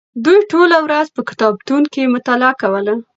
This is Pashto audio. دوی ټوله ورځ په کتابتون کې مطالعه کوله.